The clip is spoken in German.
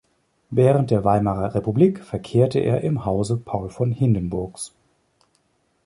Während der Weimarer Republik verkehrte er im Hause Paul von Hindenburgs.